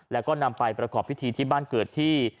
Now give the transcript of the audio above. แล้วก็นำไปประกอบพิธีที่บ้านเกิดที่